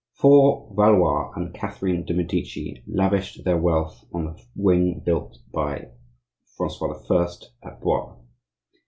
Four Valois and Catherine de' Medici lavished their wealth on the wing built by Francois I. at Blois.